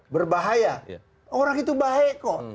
berbahaya orang itu baik kok